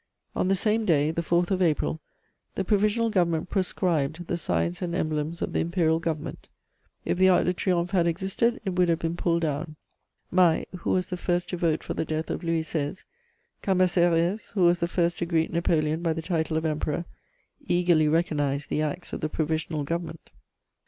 On the same day, the 4th of April, the Provisional Government proscribed the signs and emblems of the Imperial Government: if the Arc de Triomphe had existed, it would have been pulled down. Mailhe, who was the first to vote for the death of Louis XVI., Cambacérès, who was the first to greet Napoleon by the title of Emperor, eagerly recognised the acts of the Provisional Government.